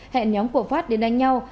hẹn nhóm của phát đến đánh nhau